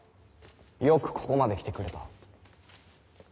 よくここまで来てくれた。